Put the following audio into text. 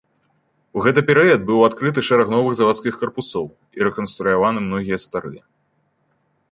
У гэты перыяд быў адкрыты шэраг новых завадскіх карпусоў і рэканструяваны многія старыя.